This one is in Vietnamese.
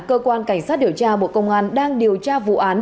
cơ quan cảnh sát điều tra bộ công an đang điều tra vụ án